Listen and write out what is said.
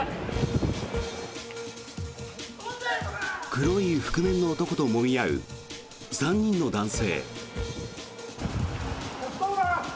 黒い覆面の男ともみ合う３人の男性。